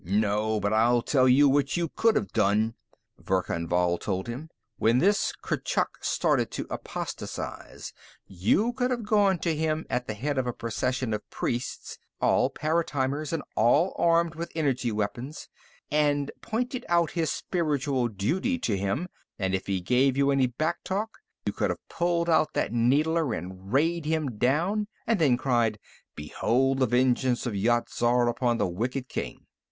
"No, but I'll tell you what you could have done," Verkan Vall told him. "When this Kurchuk started to apostatize, you could have gone to him at the head of a procession of priests, all paratimers and all armed with energy weapons, and pointed out his spiritual duty to him, and if he gave you any back talk, you could have pulled out that needler and rayed him down and then cried, 'Behold the vengeance of Yat Zar upon the wicked king!'